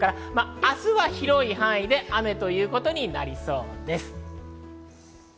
明日は広い範囲で雨ということになりそうです。